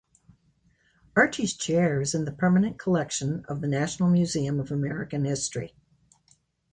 Archie's chair is in the permanent collection of the National Museum of American History.